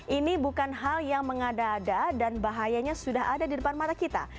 ini bukan hal yang mengada ada dan bahayanya sudah ada di depan mata kita